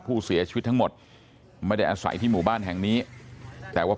ผู้เสียชีวิตทั้งหมดไม่ได้อาศัยที่หมู่บ้านแห่งนี้แต่ว่า